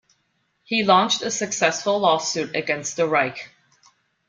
He launched a successful lawsuit against the Reich.